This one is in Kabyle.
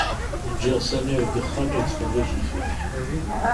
Ǧǧiɣ Samir deg uxxam yettfeṛṛiǧ lfilm.